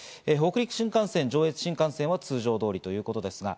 北陸新幹線、上越新幹線は通常通りということです。